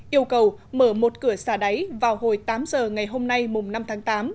yêu cầu mở một cửa xả đáy vào hồi tám giờ ngày hôm nay mùng năm tháng tám